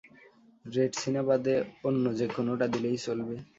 Retsina বাদে অন্য যে কোনোটা দিলেই চলবে।